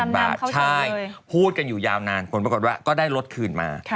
บาทใช่พูดกันอยู่ยาวนานผลปรากฏว่าก็ได้รถคืนมา